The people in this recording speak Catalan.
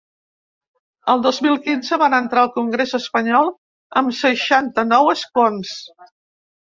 El dos mil quinze van entrar al congrés espanyol amb seixanta-nou escons.